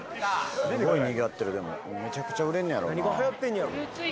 すごいにぎわってるでもめちゃくちゃ売れんねやろな